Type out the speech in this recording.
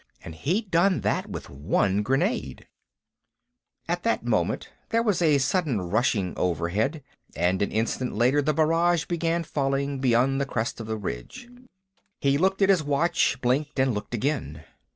And he'd done that with one grenade.... At that moment, there was a sudden rushing overhead, and an instant later the barrage began falling beyond the crest of the ridge. He looked at his watch, blinked, and looked again.